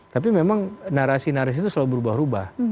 tapi memang narasi narasi itu selalu berubah ubah